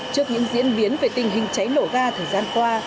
trước những diễn biến về tình hình cháy nổ ga thời gian qua